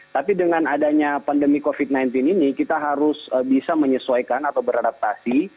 tapi dengan adanya pandemi covid sembilan belas ini kita harus bisa menyesuaikan atau beradaptasi